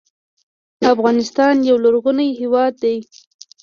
افغانستان یو لرغونی هېواد دی